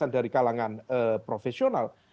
lima puluh dari kalangan profesional